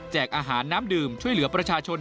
อาหารน้ำดื่มช่วยเหลือประชาชน